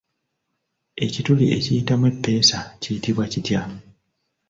Ekituli ekiyitamu eppeesa kiyitibwa kitya?